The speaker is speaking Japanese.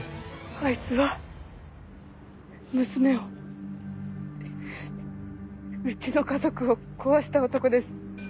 あいつは娘をうちの家族を壊した男です。